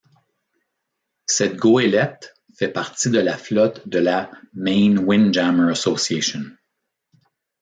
Cette goélette fait partie de la flotte de la Maine Windjammer Association.